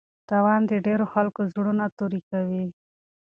تاوان د ډېرو خلکو زړونه توري کوي.